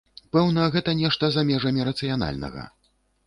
Пэўна, гэта нешта за межамі рацыянальнага.